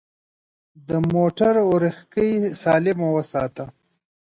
د موټر اورېښکۍ سالم وساته.